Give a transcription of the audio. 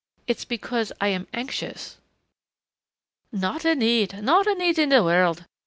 "It's because I am anxious " "Not a need, not a need in the world.